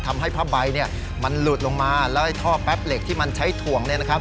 ทำให้ผ้าใบมันหลุดลงมาแล้วท่อแป๊บเหล็กที่มันใช้ถ่วง